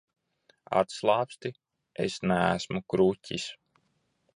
Atslābsti, es neesmu kruķis.